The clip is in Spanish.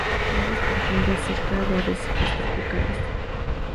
Aguas profundas cerca de arrecifes tropicales.